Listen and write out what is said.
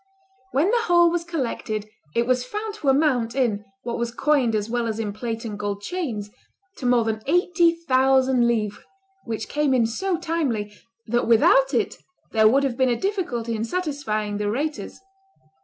When the whole was collected, it was found to amount, in what was coined as well as in plate and gold chains, to more than eighty thousand livres, which came in so timely, that without it there would have been a difficulty in satisfying the reiters.